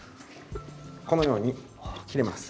このように切れます。